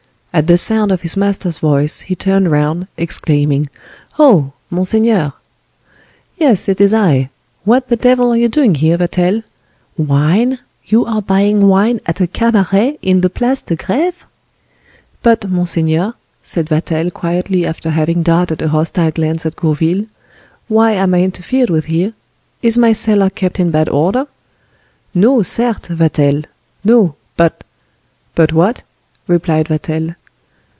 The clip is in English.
At the sound of his master's voice he turned round, exclaiming: "Oh! monseigneur!" "Yes, it is I. What the devil are you doing here, Vatel? Wine! You are buying wine at a cabaret in the Place de Greve!" "But, monseigneur," said Vatel, quietly after having darted a hostile glance at Gourville, "why am I interfered with here? Is my cellar kept in bad order?" "No, certes, Vatel, no; but—" "But what?" replied Vatel.